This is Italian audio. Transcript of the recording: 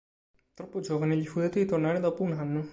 Troppo giovane, gli fu detto di tornare dopo un anno.